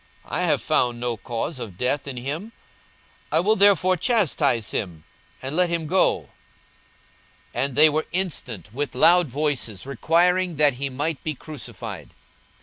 I have found no cause of death in him: I will therefore chastise him, and let him go. 42:023:023 And they were instant with loud voices, requiring that he might be crucified.